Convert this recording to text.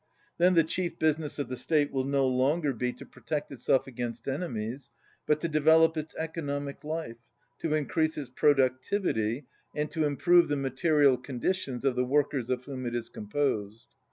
Then the chief business of the state will no longer be to protect itself against enemies but to develop its economic life, to increase its produc tivity and to improve the material conditions of the workers of whom it is composed.